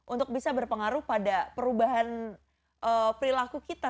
untuk bisa berpengaruh pada perubahan perilaku kita